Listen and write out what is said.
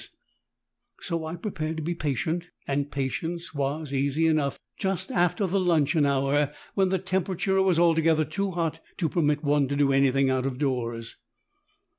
So I prepared to be patient, and patience was easy enough just after the luncheon hour, when the temperature was altogether too hot to permit one to do anything out of doors.